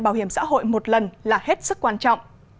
bảo hiểm xã hội một lần là hết sức quan trọng